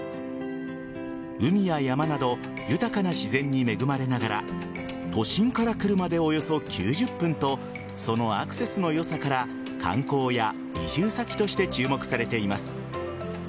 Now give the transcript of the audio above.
海や山など豊かな自然に恵まれながら都心から車でおよそ９０分とそのアクセスの良さから観光や移住先として注目されています。